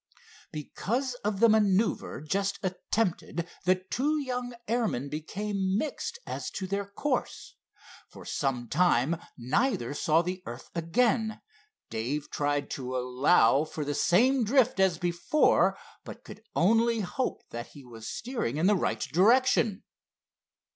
Because of the maneuver just attempted, the two young airmen became mixed as to their course. For some time neither saw the earth again. Dave tried to allow for the same drift as before, but could only hope that he was steering in the right direction.